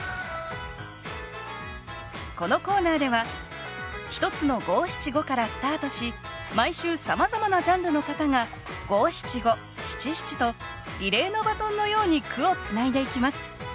このコーナーでは１つの５７５からスタートし毎週さまざまなジャンルの方が５７５７７とリレーのバトンのように句をつないでいきます。